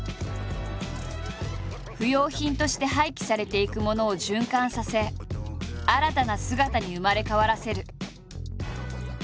不用品として廃棄されていくものを循環させ新たな姿に生まれ変わらせる。